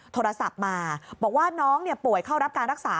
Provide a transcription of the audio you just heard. โทรศัพท์มาบอกว่าน้องป่วยเข้ารับการรักษา